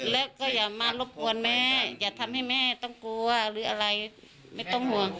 แล้วก็อย่ามารบกวนแม่อย่าทำให้แม่ต้องกลัวหรืออะไรไม่ต้องห่วง